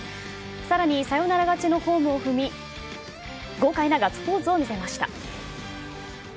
さらにサヨナラ勝ちのホームを踏み、豪快なガッツポーズを見せました。